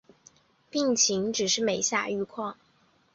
病情只是每下愈况